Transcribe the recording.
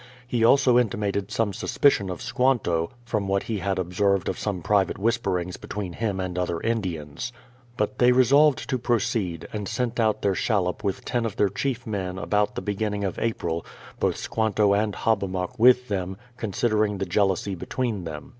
He also in timated some suspicion of Squanto, from what he had ob served of some private whisperings between him and other Indians, But they resolved to proceed, and sent out their shallop with ten of their chief men about f ^ beginning of April, both Squanto and Hobbamok with tht i, considering the jealousy between them.